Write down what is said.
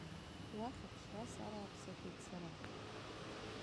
Уахь аԥшра сарааԥсахьеит сара.